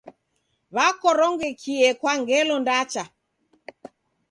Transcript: Wakorongekie kwa ngelo ndacha.